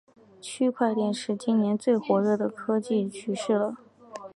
区块链是今年最火热的科技趋势了